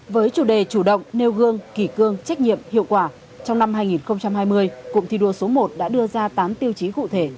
với chủ đề chủ động nêu gương kỳ cương trách nhiệm hiệu quả trong năm hai nghìn hai mươi cụm thi đua số một đã đưa ra tám tiêu chí cụ thể